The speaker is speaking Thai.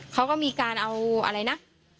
เขาก็มีการเอาอะไรนะ